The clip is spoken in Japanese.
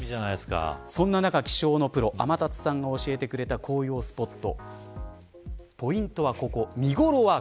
そんな中、気象のプロ天達さんが教えてくれた紅葉スポット。